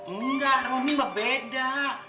enggak romi beda